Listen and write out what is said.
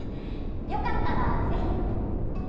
よかったらぜひ。